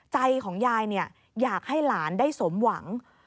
ใจของยายอยากให้หลานได้สมหวัง